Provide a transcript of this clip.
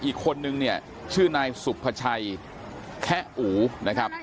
อีกคนนึงเนี่ยชื่อนายสุภาชัยแคะอูนะครับ